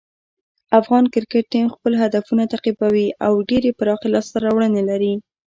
افغان کرکټ ټیم خپل هدفونه تعقیبوي او ډېرې پراخې لاسته راوړنې لري.